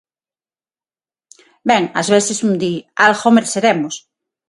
Ben, ás veces un di: algo mereceremos.